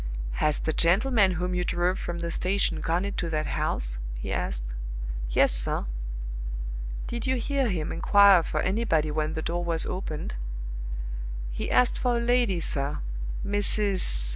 "Has the gentleman whom you drove from the station gone into that house?" he asked. "Yes, sir." "Did you hear him inquire for anybody when the door was opened?" "He asked for a lady, sir. Mrs.